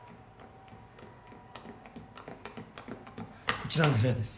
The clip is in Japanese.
こちらの部屋です。